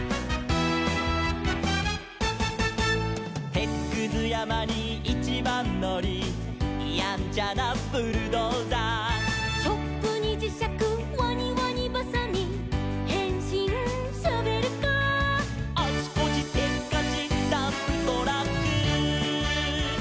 「てつくずやまにいちばんのり」「やんちゃなブルドーザー」「チョップにじしゃくワニワニばさみ」「へんしんショベルカー」「あちこちせっかちダンプトラック」